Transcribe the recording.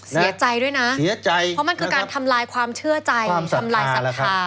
เสียใจด้วยนะเพราะมันคือการทำลายความเชื่อใจทำลายสัตว์ทา